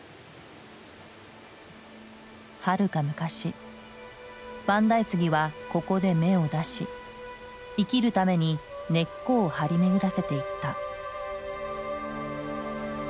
はるか昔万代杉はここで芽を出し生きるために根っこを張り巡らせていった。